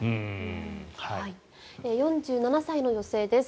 ４７歳の女性です。